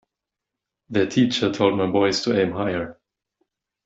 Their teacher told my boys to aim higher.